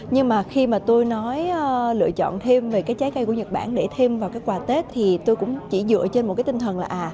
nhưng mà khi mà tôi nói lựa chọn thêm về cái trái cây của nhật bản để thêm vào cái quà tết thì tôi cũng chỉ dựa trên một cái tinh thần là